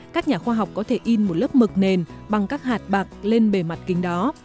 các nhà khoa học có thể in một lớp mực nền bằng các hạt bạc lên bề mặt kính đó